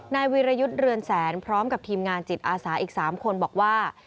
นายวีรยุทธ์เรือนแสนพร้อมกับทีมงานจิตอาสาอีก๓คนบอกว่า